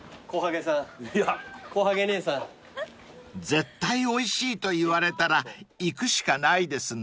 ［絶対おいしいと言われたら行くしかないですね］